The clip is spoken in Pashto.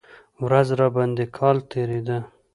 ورځ راباندې کال تېرېده.